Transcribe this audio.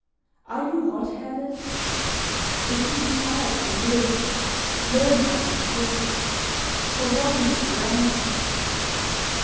Are you hot headed? If you desire to live, learn how to kill, for wine is a wrangler.